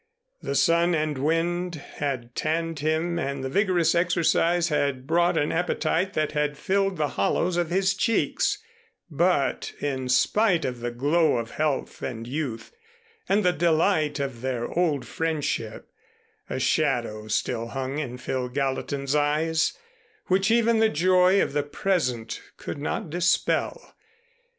The sun and wind had tanned him and the vigorous exercise had brought an appetite that had filled the hollows of his cheeks; but in spite of the glow of health and youth and the delight of their old friendship, a shadow still hung in Phil Gallatin's eyes, which even the joy of the present could not dispel.